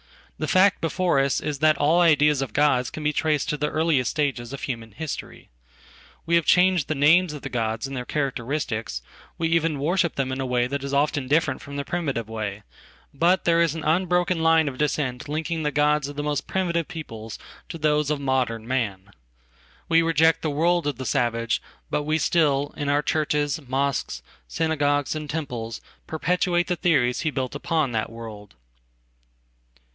The fact before usis that all ideas of gods can be traced to the earliest stages ofhuman history. We have changed the names of the gods and theircharacteristics; we even worship them in a way that is oftendifferent from the primitive way; but there is an unbroken line ofdescent linking the gods of the most primitive peoples to those ofmodern man. We reject the world of the savage; but we still, in ourchurches, mosques, synagogues and temples, perpetuate the theorieshe built upon that world.